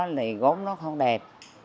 thì gốm nó không đẹp